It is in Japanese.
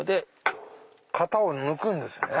型を抜くんですね。